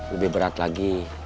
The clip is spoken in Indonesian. lebih berat lagi